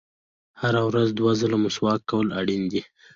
• هره ورځ دوه ځله مسواک کول اړین دي.